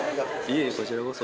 いえいえこちらこそ。